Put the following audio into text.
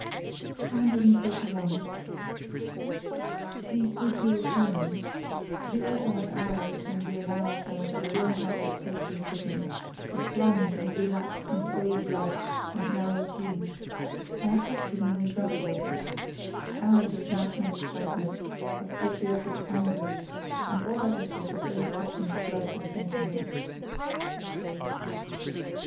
241. We "good Europeans," we also have hours when we allow ourselves a warm hearted patriotism, a plunge and relapse into old loves and narrow views I have just given an example of it hours of national excitement, of patriotic anguish, and all other sorts of old fashioned floods of sentiment.